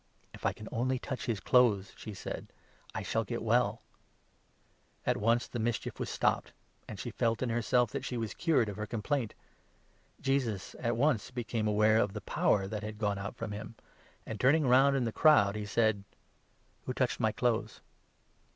"If I can only touch his clothes," she said, "I shall get 28 well !" At once the mischief was stopped, and she felt in herself that 29 she was cured of her complaint. Jesus at once became 30 aware of the power that had gone out from him, and, turning round in the crowd, he said :" Who touched my clothes